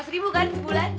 tiga ratus ribu kan sebulan